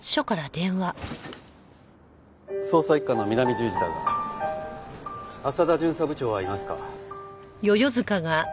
捜査一課の南十字だが朝田巡査部長はいますか？